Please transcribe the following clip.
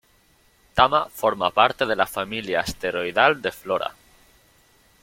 Tama forma parte de la familia asteroidal de Flora.